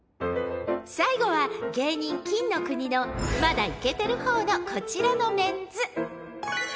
［最後は芸人金の国のまだイケてる方のこちらのメンズ］